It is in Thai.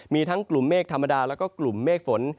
มีทั้งกลุ่มเมฆธรรมดาแล้วก็กลุ่มเมฆฝน